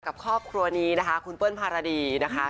ครอบครัวนี้นะคะคุณเปิ้ลภารดีนะคะ